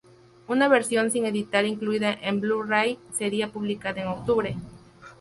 Una versión sin editar incluida en Blu-ray sería publicada en Octubre.